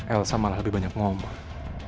elsa malah lebih banyak ngombah